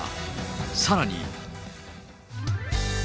さらに。